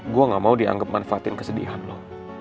gue gak mau dianggap manfaatin kesedihan lo